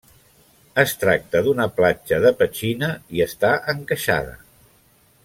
Es tracta d'una platja de petxina i està encaixada.